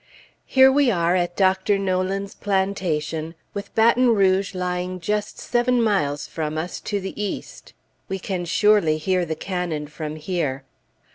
Here we are at Dr. Nolan's plantation, with Baton Rouge lying just seven miles from us to the east. We can surely hear the cannon from here.